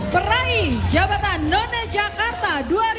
peraih jabatan noni jakarta dua ribu dua puluh dua